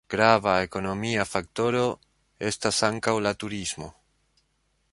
Grava ekonomia faktoro estas ankaŭ la turismo.